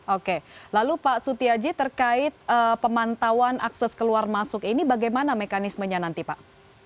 oke lalu pak sutiaji terkait pemantauan akses keluar masuk ini bagaimana mekanismenya nanti pak